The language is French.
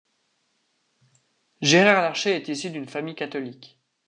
Gérard Larcher est issu d'une famille catholique.